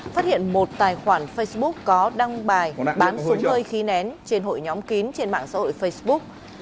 phát hiện một tài khoản facebook có đăng bài bán súng hơi khí nén trên hội nhóm kín trên mạng xã hội facebook